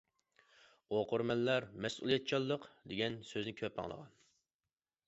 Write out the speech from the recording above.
ئوقۇرمەنلەر «مەسئۇلىيەتچانلىق» دېگەن سۆزنى كۆپ ئاڭلىغان.